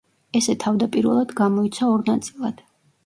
ესე თავდაპირველად გამოიცა ორ ნაწილად.